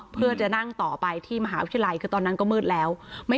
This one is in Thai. เพื่อจะนั่งต่อไปที่มหาวิทยาลัยคือตอนนั้นก็มืดแล้ว